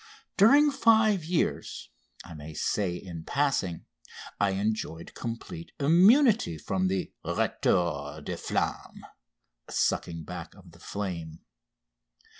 During five years, I may here say in passing, I enjoyed complete immunity from the retour de flamme (sucking back of the flame).